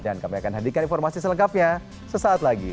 dan kami akan hadirkan informasi selengkapnya sesaat lagi